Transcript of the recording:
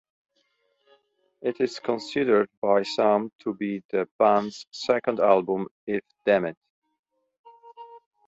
It is considered by some to be the band's second album if Dammit!